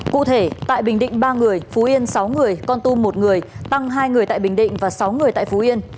cụ thể tại bình định ba người phú yên sáu người con tum một người tăng hai người tại bình định và sáu người tại phú yên